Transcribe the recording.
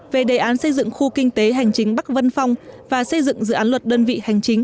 về đề án xây dựng khu kinh tế hành chính bắc vân phong và xây dựng dự án luật đơn vị hành chính